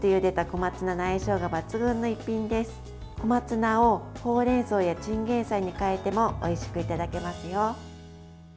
小松菜をほうれんそうやチンゲンサイに変えてもおいしくいただけますよ。